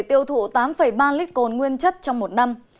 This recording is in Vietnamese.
tiêu thụ tám ba lít cồn nguyên chất trong một năm